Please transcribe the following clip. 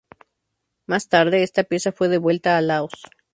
Más tarde esta pieza fue devuelta a Laos.